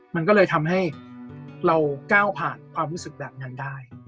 มันก็เลยทำให้เราก้าวผ่านความรู้สึกแบบนั้นได้